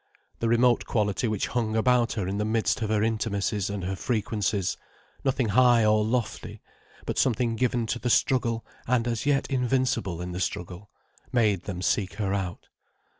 The remote quality which hung about her in the midst of her intimacies and her frequencies, nothing high or lofty, but something given to the struggle and as yet invincible in the struggle, made them seek her out.